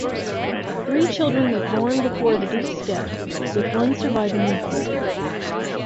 Three children were born before the duke's death, with one surviving infancy.